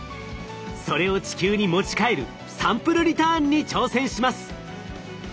それを地球に持ち帰るサンプルリターンに挑戦します。